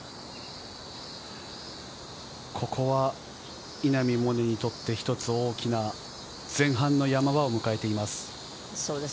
ここは稲見萌寧にとって一つ大きな前半の山場を迎えています。